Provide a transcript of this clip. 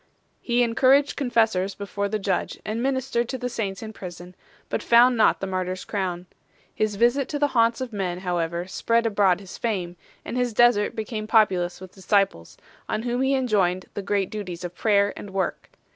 He encouraged confessors before the judge and ministered to the saints in prison, but found not the martyr s crown. His visit to the haunts of men however spread abroad his fame, and his desert became populous with disciples, on whom he enjoined the great duties of prayer and work.